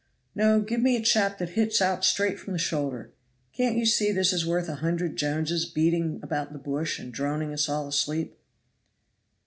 No! give me a chap that hits out straight from the shoulder. Can't you see this is worth a hundred Joneses beating about the bush and droning us all asleep.